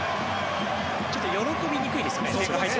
ちょっと喜びにくいですよね。